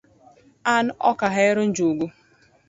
An okahero njugu